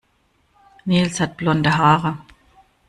Nils hat blonde Haare.